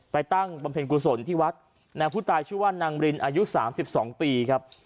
ตั้งบำเพ็ญกุศลที่วัดผู้ตายชื่อว่านางรินอายุ๓๒ปีครับ